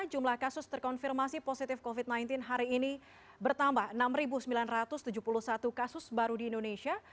jumlah kasus terkonfirmasi positif covid sembilan belas hari ini bertambah enam sembilan ratus tujuh puluh satu kasus baru di indonesia